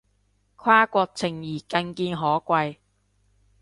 跨國情誼更見可貴